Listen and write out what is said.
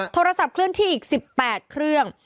โทรศัพท์เคลื่อนที่อีก๑๘เครื่อง